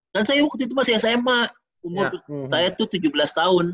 saya waktu itu masih sma umur saya itu tujuh belas tahun